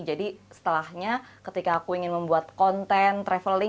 jadi setelahnya ketika aku ingin membuat konten traveling